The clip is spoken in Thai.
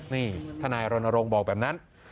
นี่ทนายรณรงค์บอกแบบนั้น